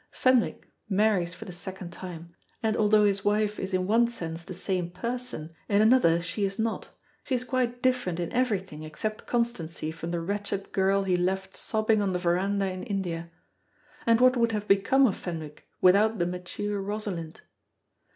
Fenwick marries for the second time, and although his wife is in one sense the same person, in another she is not; she is quite different in everything except constancy from the wretched girl he left sobbing on the verandah in India. And what would have become of Fenwick without the mature Rosalind?